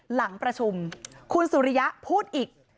หลังประชุมคุณสุริยะพูดอีก